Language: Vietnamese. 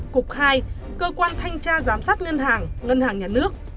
cục hai cơ quan thanh tra giám sát ngân hàng ngân hàng nhà nước